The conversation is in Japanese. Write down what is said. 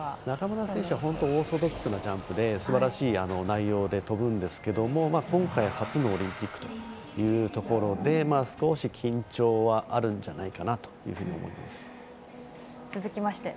中村選手は本当にオーソドックスなジャンプですばらしい内容で飛ぶんですけど今回、初のオリンピックというところで少し緊張はあるんじゃないかなというふうに思います。